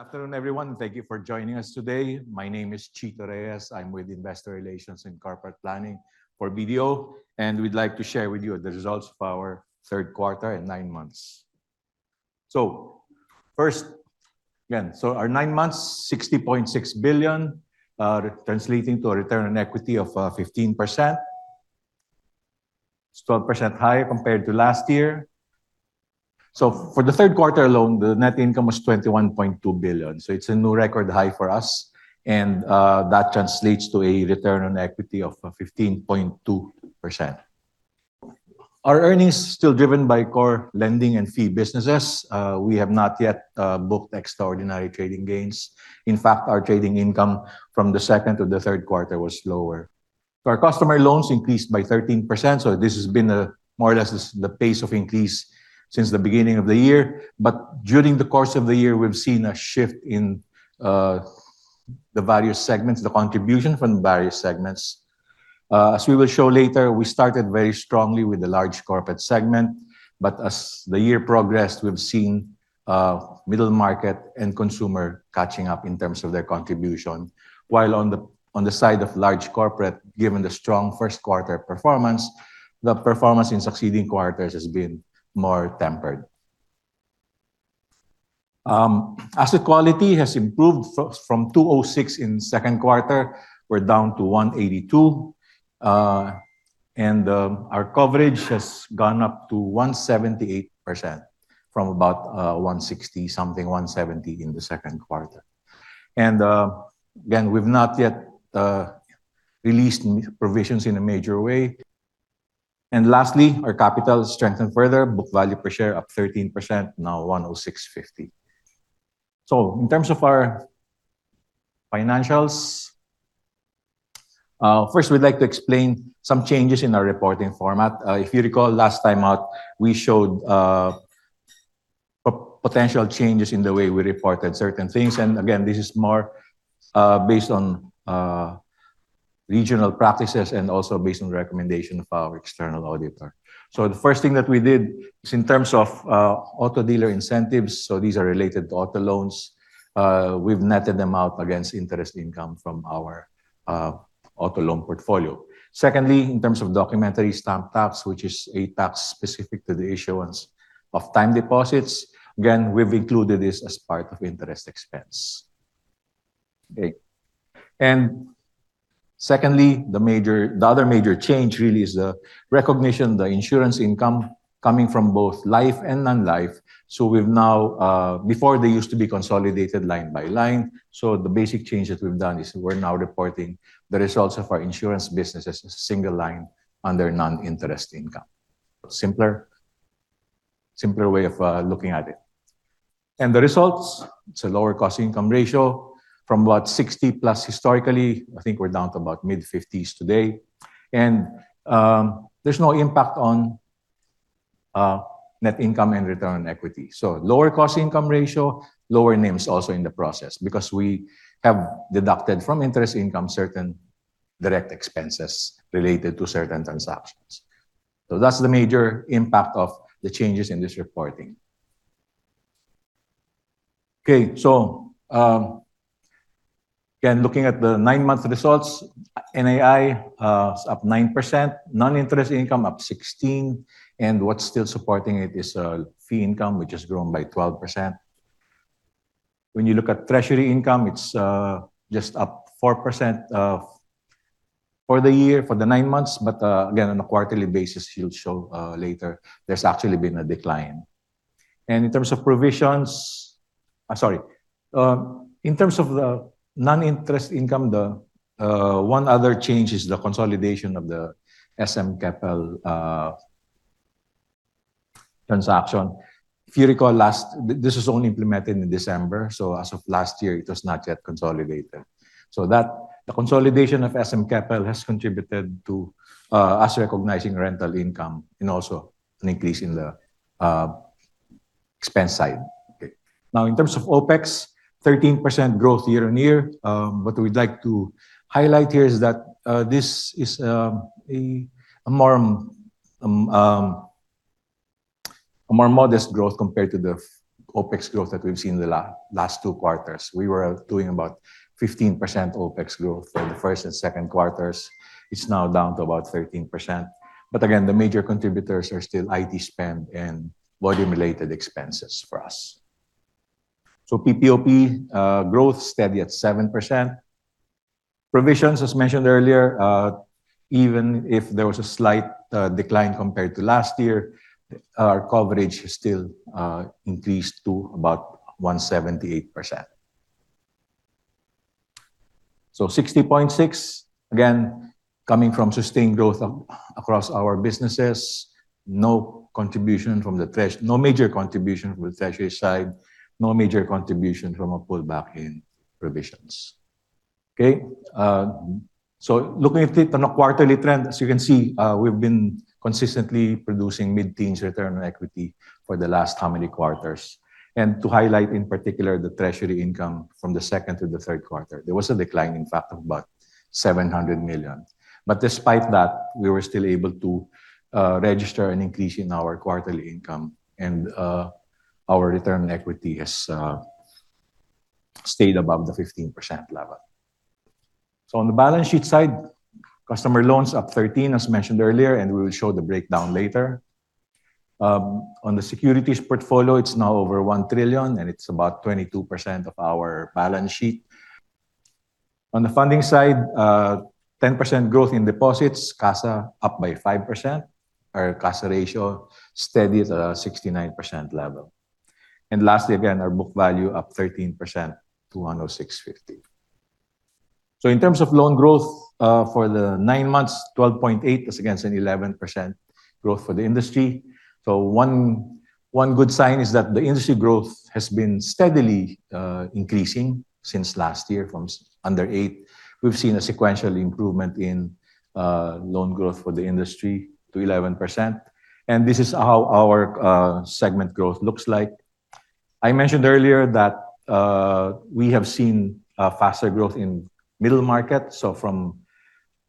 Good afternoon, everyone. Thank you for joining us today. My name is Chito Reyes. I am with Investor Relations and Corporate Planning for BDO, and we'd like to share with you the results of our third quarter and nine months. First, again, our nine months, 60.6 billion, translating to a return on equity of 15%. It is 12% higher compared to last year. For the third quarter alone, the net income was 21.2 billion, it is a new record high for us, and that translates to a return on equity of 15.2%. Our earnings still driven by core lending and fee businesses. We have not yet booked extraordinary trading gains. In fact, our trading income from the second to the third quarter was lower. Our customer loans increased by 13%, this has been more or less the pace of increase since the beginning of the year. During the course of the year, we've seen a shift in the various segments, the contribution from the various segments. As we will show later, we started very strongly with the large corporate segment, but as the year progressed, we've seen middle market and consumer catching up in terms of their contribution. While on the side of large corporate, given the strong first quarter performance, the performance in succeeding quarters has been more tempered. Asset quality has improved from 206 in second quarter, we're down to 182. Our coverage has gone up to 178% from about 160 something, 170 in the second quarter. Again, we've not yet released provisions in a major way. Lastly, our capital has strengthened further. Book value per share up 13%, now 106.50. In terms of our financials, first, we'd like to explain some changes in our reporting format. If you recall, last time out, we showed potential changes in the way we reported certain things. Again, this is more based on regional practices and also based on recommendation of our external auditor. The first thing that we did is in terms of auto dealer incentives, these are related to auto loans. We've netted them out against interest income from our auto loan portfolio. Secondly, in terms of documentary stamp tax, which is a tax specific to the issuance of time deposits, again, we've included this as part of interest expense. Okay. Secondly, the other major change really is the recognition, the insurance income coming from both life and non-life. Before, they used to be consolidated line by line. The basic change that we've done is we're now reporting the results of our insurance business as a single line under non-interest income. A simpler way of looking at it. The results, it's a lower cost income ratio from what, 60 plus historically, I think we're down to about mid 50s today. There's no impact on net income and return on equity. Lower cost income ratio, lower NIMs also in the process because we have deducted from interest income certain direct expenses related to certain transactions. That's the major impact of the changes in this reporting. Okay. Again, looking at the nine-month results, NII is up 9%, non-interest income up 16%, what's still supporting it is fee income, which has grown by 12%. When you look at treasury income, it's just up 4% for the year, for the nine months. Again, on a quarterly basis, we'll show later, there's actually been a decline. In terms of the non-interest income, one other change is the consolidation of the SM Capital transaction. If you recall, this was only implemented in December. As of last year, it was not yet consolidated. The consolidation of SM Capital has contributed to us recognizing rental income and also an increase in the expense side. Okay. In terms of OpEx, 13% growth year-on-year. What we'd like to highlight here is that this is a more modest growth compared to the OpEx growth that we've seen in the last two quarters. We were doing about 15% OpEx growth for the first and second quarters. It's now down to about 13%. Again, the major contributors are still IT spend and volume related expenses for us. PPOP growth steady at 7%. Provisions, as mentioned earlier, even if there was a slight decline compared to last year, our coverage still increased to about 178%. 60.6, again, coming from sustained growth across our businesses. No major contribution from the treasury side, no major contribution from a pullback in provisions. Okay. Looking at it on a quarterly trend, as you can see, we've been consistently producing mid-teens return on equity for the last how many quarters. To highlight, in particular, the treasury income from the second to the third quarter. There was a decline, in fact, of about 700 million. Despite that, we were still able to register an increase in our quarterly income, and our return on equity has stayed above the 15% level. On the balance sheet side, customer loans up 13%, as mentioned earlier, and we will show the breakdown later. On the securities portfolio, it's now over 1 trillion, and it's about 22% of our balance sheet. On the funding side, 10% growth in deposits, CASA up by 5%. Our CASA ratio steady at a 69% level. Lastly, again, our book value up 13% to 106.50. In terms of loan growth, for the nine months, 12.8% as against an 11% growth for the industry. One good sign is that the industry growth has been steadily increasing since last year from under 8%. We've seen a sequential improvement in loan growth for the industry to 11%. This is how our segment growth looks like. I mentioned earlier that we have seen a faster growth in middle market. From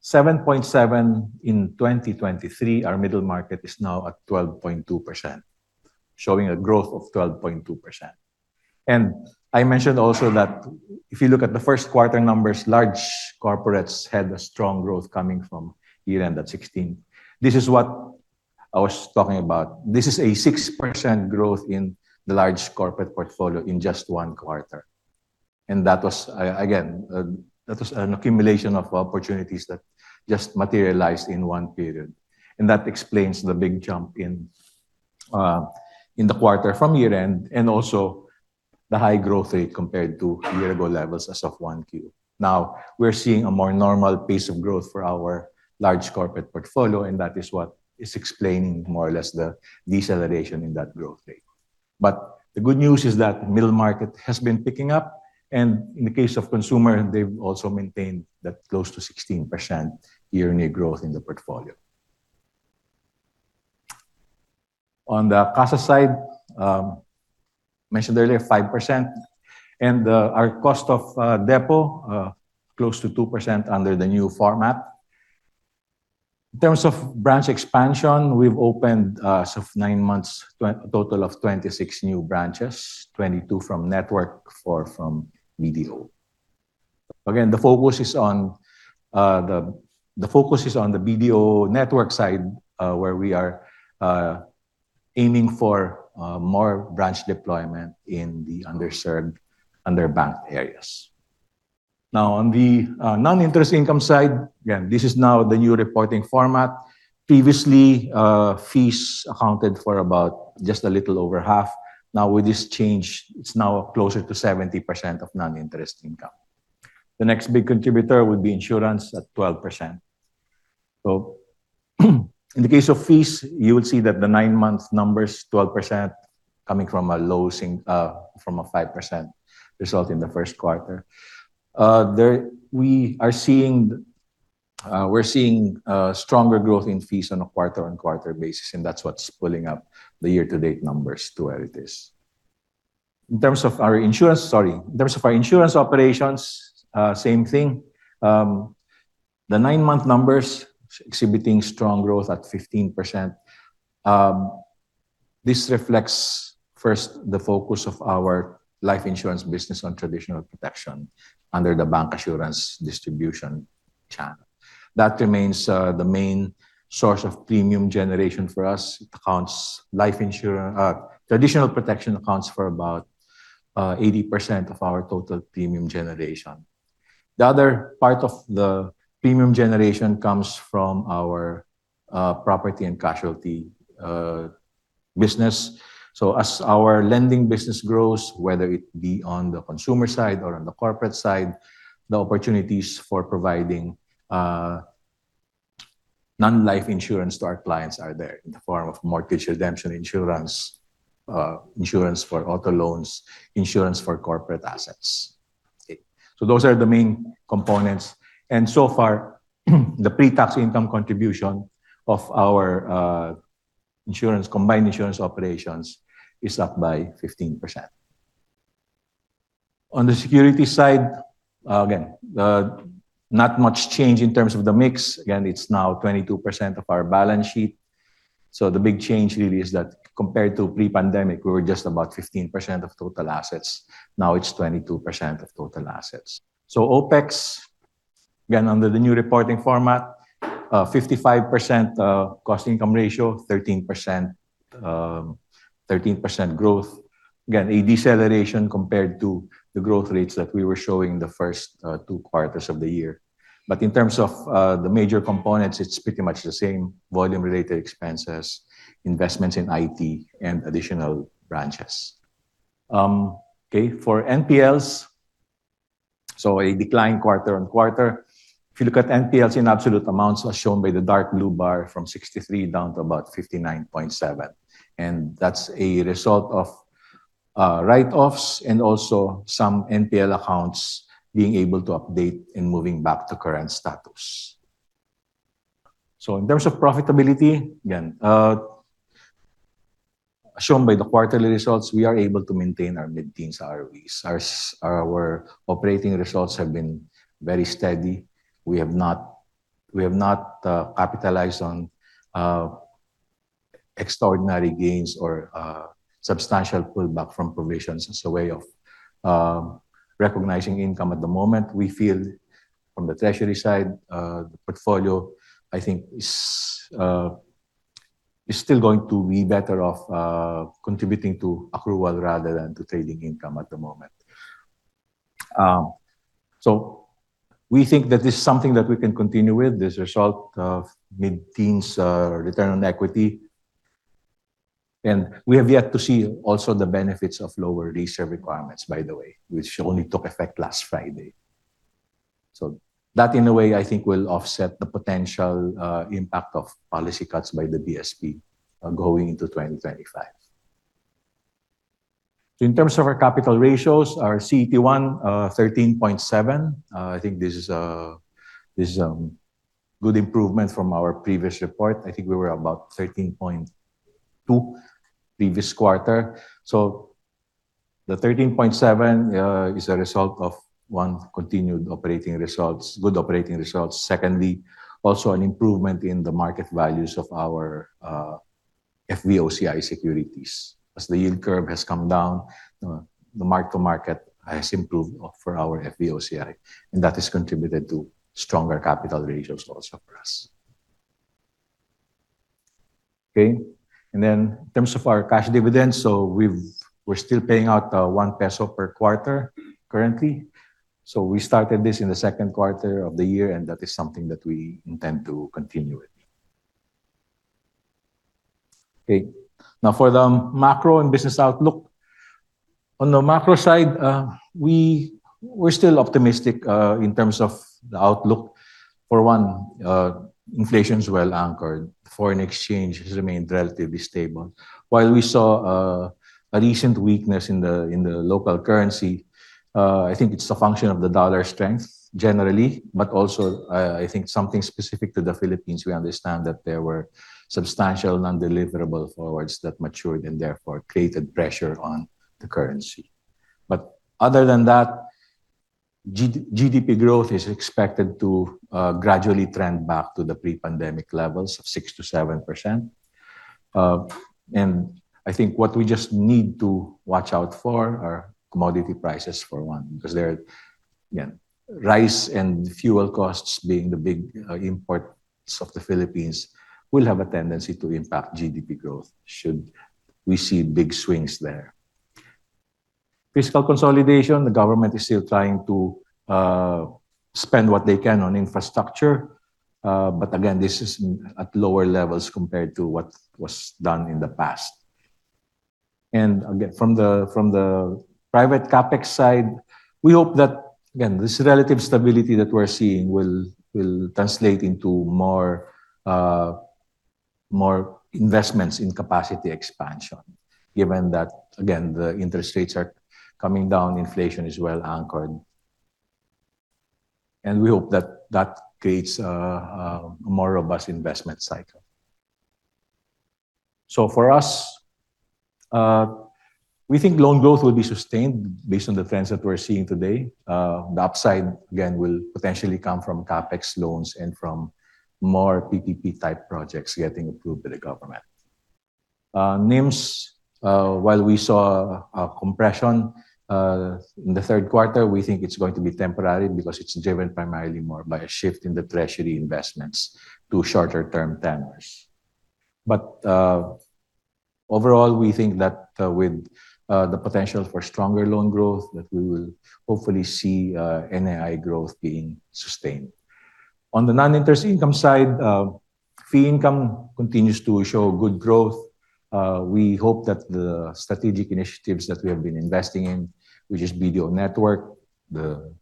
7.7% in 2023, our middle market is now at 12.2%, showing a growth of 12.2%. I mentioned also that if you look at the first quarter numbers, large corporates had a strong growth coming from year-end at 16%. This is what I was talking about. This is a 6% growth in the large corporate portfolio in just one quarter. That was, again, an accumulation of opportunities that just materialized in one period. That explains the big jump in the quarter from year-end, and also the high growth rate compared to year-ago levels as of 1Q. We're seeing a more normal pace of growth for our large corporate portfolio, and that is what is explaining more or less the deceleration in that growth rate. The good news is that middle market has been picking up, and in the case of consumer, they've also maintained that close to 16% year-on-year growth in the portfolio. On the CASA side, mentioned earlier, 5%. Our cost of deposit close to 2% under the new format. In terms of branch expansion, we've opened as of nine months, a total of 26 new branches, 22 from network, four from BDO. Again, the focus is on the BDO network side, where we are aiming for more branch deployment in the underserved, underbanked areas. On the non-interest income side, again, this is now the new reporting format. Previously, fees accounted for about just a little over half. With this change, it's now closer to 70% of non-interest income. The next big contributor would be insurance at 12%. In the case of fees, you would see that the nine-month numbers, 12% coming from a low, from a 5% result in the first quarter. We're seeing stronger growth in fees on a quarter-over-quarter basis, and that's what's pulling up the year-to-date numbers to where it is. In terms of our insurance operations, same thing. The nine-month numbers exhibiting strong growth at 15%. This reflects first the focus of our life insurance business on traditional protection under the bancassurance distribution channel. That remains the main source of premium generation for us. Traditional protection accounts for about 80% of our total premium generation. The other part of the premium generation comes from our property and casualty business. As our lending business grows, whether it be on the consumer side or on the corporate side, the opportunities for providing non-life insurance to our clients are there in the form of mortgage redemption insurance for auto loans, insurance for corporate assets. Those are the main components. So far, the pre-tax income contribution of our combined insurance operations is up by 15%. On the security side, again, not much change in terms of the mix. Again, it's now 22% of our balance sheet. The big change really is that compared to pre-pandemic, we were just about 15% of total assets. It's 22% of total assets. OpEx, again, under the new reporting format, 55% cost-income ratio, 13% growth. Again, a deceleration compared to the growth rates that we were showing the first two quarters of the year. In terms of the major components, it's pretty much the same volume-related expenses, investments in IT, and additional branches. For NPLs. A decline quarter-over-quarter. If you look at NPLs in absolute amounts as shown by the dark blue bar from 63 down to about 59.7. That's a result of write-offs and also some NPL accounts being able to update and moving back to current status. In terms of profitability, again, as shown by the quarterly results, we are able to maintain our mid-teens ROEs. Our operating results have been very steady. We have not capitalized on extraordinary gains or substantial pullback from provisions as a way of recognizing income at the moment. We feel from the treasury side, the portfolio, I think is still going to be better off contributing to accrual rather than to trading income at the moment. We think that this is something that we can continue with this result of mid-teens return on equity. We have yet to see also the benefits of lower reserve requirements, by the way, which only took effect last Friday. That, in a way, I think, will offset the potential impact of policy cuts by the BSP going into 2025. In terms of our capital ratios, our CET1 13.7. This is a good improvement from our previous report. We were about 13.2 the previous quarter. The 13.7 is a result of one continued good operating results. Secondly, also an improvement in the market values of our FVOCI securities. As the yield curve has come down, the mark-to-market has improved for our FVOCI, and that has contributed to stronger capital ratios also for us. In terms of our cash dividends, we're still paying out 1 peso per quarter currently. We started this in the second quarter of the year, and that is something that we intend to continue with. For the macro and business outlook. On the macro side, we're still optimistic in terms of the outlook. For one, inflation is well-anchored. Foreign exchange has remained relatively stable. While we saw a recent weakness in the local currency, it's a function of the dollar strength generally, but also, something specific to the Philippines, we understand that there were substantial non-deliverable forwards that matured and therefore created pressure on the currency. Other than that, GDP growth is expected to gradually trend back to the pre-pandemic levels of 6%-7%. What we just need to watch out for are commodity prices, for one, because they're rice and fuel costs being the big imports of the Philippines will have a tendency to impact GDP growth should we see big swings there. Fiscal consolidation, the government is still trying to spend what they can on infrastructure. Again, this is at lower levels compared to what was done in the past. Again, from the private CapEx side, we hope that, again, this relative stability that we're seeing will translate into more investments in capacity expansion, given that, again, the interest rates are coming down, inflation is well-anchored. We hope that creates a more robust investment cycle. For us, we think loan growth will be sustained based on the trends that we're seeing today. The upside, again, will potentially come from CapEx loans and from more PPP-type projects getting approved by the government. NIMs, while we saw a compression in the third quarter, we think it's going to be temporary because it's driven primarily more by a shift in the treasury investments to shorter-term tenors. Overall, we think that with the potential for stronger loan growth, that we will hopefully see NII growth being sustained. On the non-interest income side, fee income continues to show good growth. We hope that the strategic initiatives that we have been investing in, which is BDO Network, the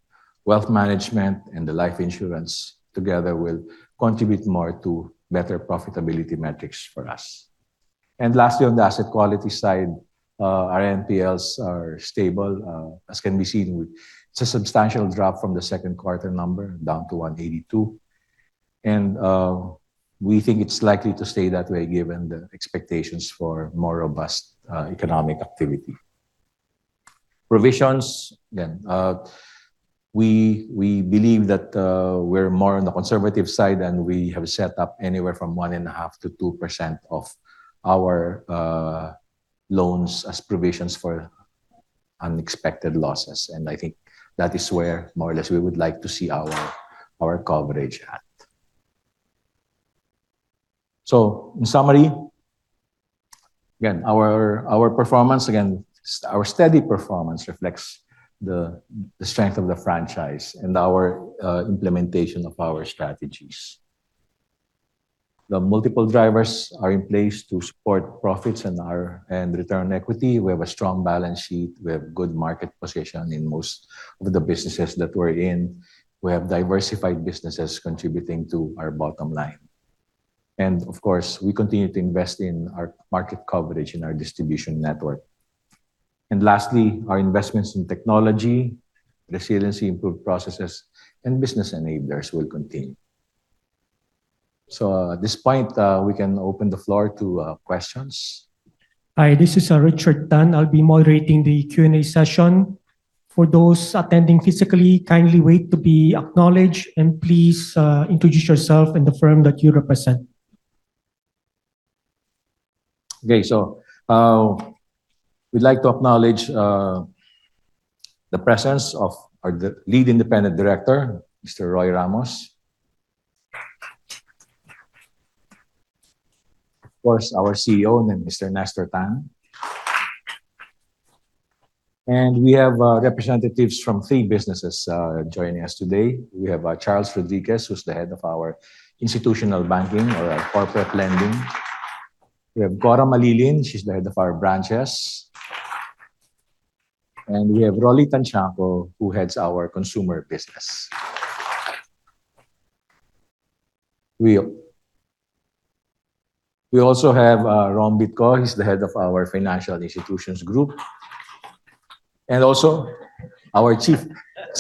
wealth management, and the life insurance together will contribute more to better profitability metrics for us. Lastly, on the asset quality side, our NPLs are stable, as can be seen with a substantial drop from the second quarter number down to 182. We think it's likely to stay that way given the expectations for more robust economic activity. Provisions, again, we believe that we're more on the conservative side, and we have set up anywhere from 1.5%-2% of our loans as provisions for unexpected losses. That is where more or less we would like to see our coverage at. In summary, again, our steady performance reflects the strength of the franchise and our implementation of our strategies. The multiple drivers are in place to support profits and return on equity. We have a strong balance sheet. We have good market position in most of the businesses that we're in. We have diversified businesses contributing to our bottom line. Of course, we continue to invest in our market coverage and our distribution network. Lastly, our investments in technology, resiliency, improved processes, and business enablers will continue. At this point, we can open the floor to questions. Hi, this is Richard Tan. I'll be moderating the Q&A session. For those attending physically, kindly wait to be acknowledged, and please introduce yourself and the firm that you represent. Okay. We'd like to acknowledge the presence of our Lead Independent Director, Mr. Roy Ramos. Of course, our CEO, Mr. Nestor Tan. We have representatives from three businesses joining us today. We have Charles Rodriguez, who's the Head of our Institutional Banking or our corporate lending. We have Cora Malilin. She's the Head of our branches. We have Rolly Tanciangco, who heads our consumer business. We also have Ron Bitcoi, he's the Head of our Financial Institutions Group. Also,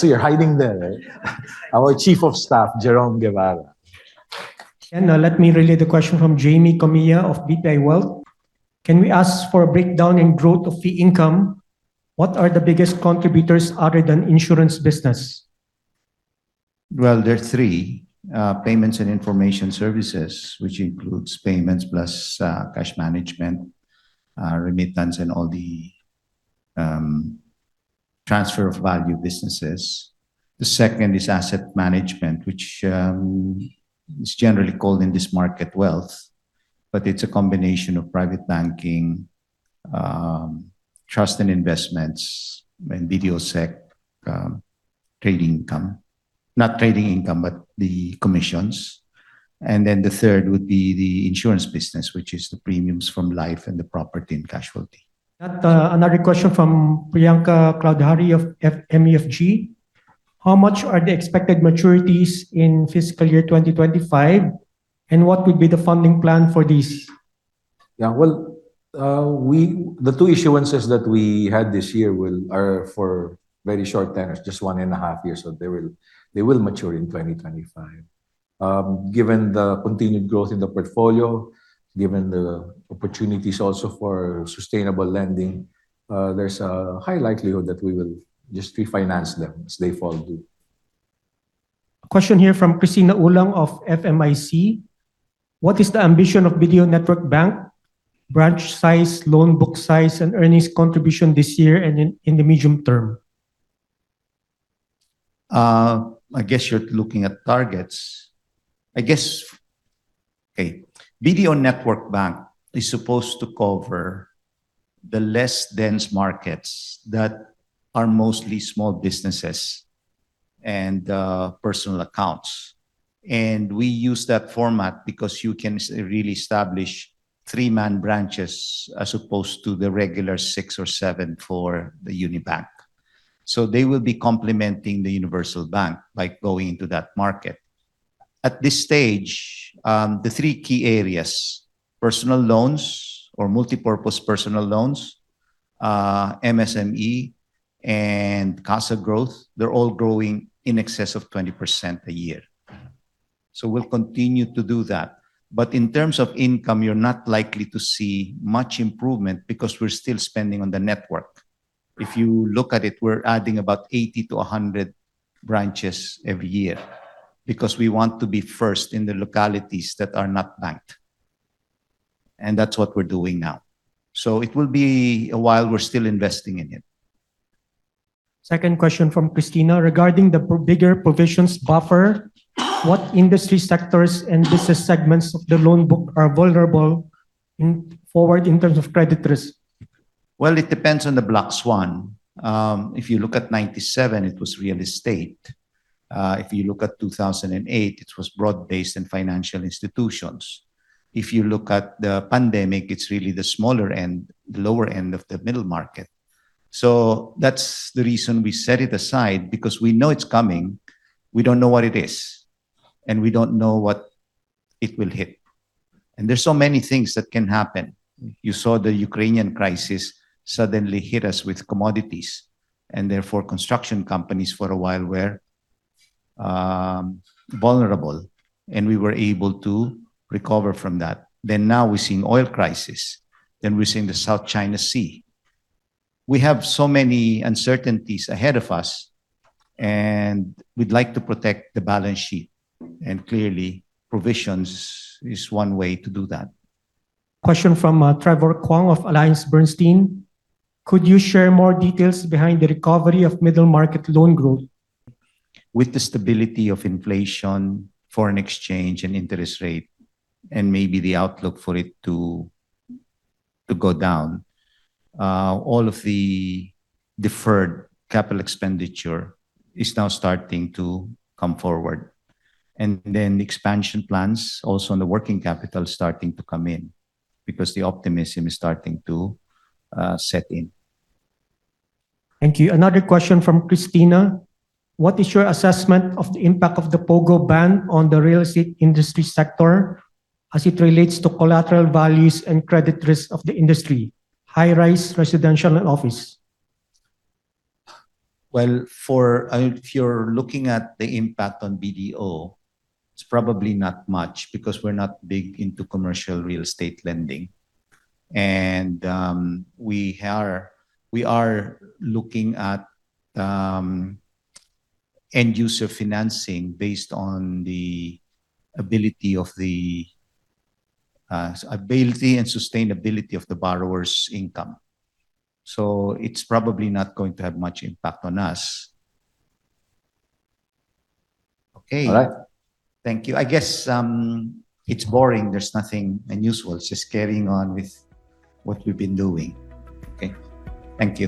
you're hiding there, right? Our Chief of Staff, Jerome Guevara. Let me relay the question from Jamie Comilla of BPI Wealth. Can we ask for a breakdown in growth of fee income? What are the biggest contributors other than insurance business? Well, there are three. Payments and information services, which includes payments plus cash management, remittance, and all the transfer of value businesses. The second is asset management, which is generally called in this market wealth, but it's a combination of private banking, trust and investments, and BDO Sec trading income. Not trading income, but the commissions. Then the third would be the insurance business, which is the premiums from life and the property and casualty. Got another question from Priyanka Choudhary of MUFG. How much are the expected maturities in fiscal year 2025, and what would be the funding plan for these? Well, the two issuances that we had this year are for very short tenors, just one and a half years. They will mature in 2025. Given the continued growth in the portfolio, given the opportunities also for sustainable lending, there's a high likelihood that we will just refinance them as they fall due. A question here from Cristina Ulang of FMIC. What is the ambition of BDO Network Bank? Branch size, loan book size, and earnings contribution this year and in the medium term? I guess you're looking at targets. BDO Network Bank is supposed to cover the less dense markets that are mostly small businesses and personal accounts. We use that format because you can really establish three-man branches as opposed to the regular six or seven for the Unibank. They will be complementing the universal bank by going into that market. At this stage, the three key areas, personal loans or multipurpose personal loans, MSME, and CASA growth, they're all growing in excess of 20% a year. We'll continue to do that. In terms of income, you're not likely to see much improvement because we're still spending on the network. If you look at it, we're adding about 80 to 100 branches every year because we want to be first in the localities that are not banked. That's what we're doing now. It will be a while. We're still investing in it. Second question from Cristina. Regarding the bigger provisions buffer, what industry sectors and business segments of the loan book are vulnerable forward in terms of credit risk? Well, it depends on the black swan. If you look at 1997, it was real estate. If you look at 2008, it was broad-based and financial institutions. If you look at the pandemic, it is really the lower end of the middle market. That is the reason we set it aside, because we know it is coming. We do not know what it is, and we do not know what it will hit. There are so many things that can happen. You saw the Ukrainian crisis suddenly hit us with commodities, and therefore construction companies for a while were vulnerable, and we were able to recover from that. Now we are seeing oil crisis, we are seeing the South China Sea. We have so many uncertainties ahead of us, and we would like to protect the balance sheet. Clearly, provisions is one way to do that. Question from Trevor Kwong of AllianceBernstein. Could you share more details behind the recovery of middle market loan growth? With the stability of inflation, foreign exchange, and interest rate, and maybe the outlook for it to go down, all of the deferred capital expenditure is now starting to come forward. Expansion plans also on the working capital is starting to come in because the optimism is starting to set in. Thank you. Another question from Cristina. What is your assessment of the impact of the POGO ban on the real estate industry sector as it relates to collateral values and credit risk of the industry, high-rise, residential, and office? Well, if you're looking at the impact on BDO, it's probably not much because we're not big into commercial real estate lending. We are looking at end-user financing based on the ability and sustainability of the borrower's income. It's probably not going to have much impact on us. Okay. All right. Thank you. I guess it's boring. There's nothing unusual. It's just carrying on with what we've been doing. Okay. Thank you.